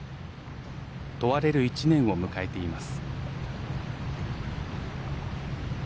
問われる一年を迎えています。